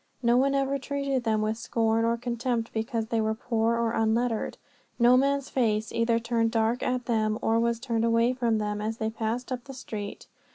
No one ever treated them with scorn or contempt because they were poor or unlettered. No man's face either turned dark at them or was turned away from them as they passed up the street.